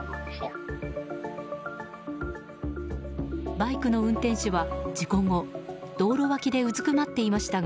バイクの運転手は事故後道路脇でうずくまっていましたが